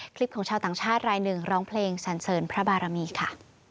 ของชาวต่างชาติรายหนึ่งร้องเพลงสันเสริญพระบารมีค่ะ